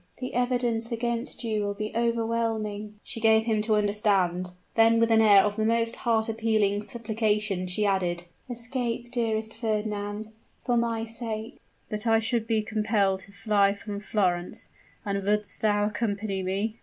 "The evidence against you will be overwhelming," she gave him to understand: then with an air of the most heart appealing supplication, she added, "Escape, dearest Fernand, for my sake!" "But I should be compelled to fly from Florence and wouldst thou accompany me?"